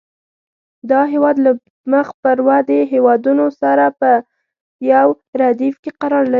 دا هېواد له مخ پر ودې هېوادونو سره په یو ردیف کې قرار لري.